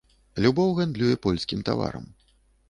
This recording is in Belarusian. Любоў гандлюе польскім таварам.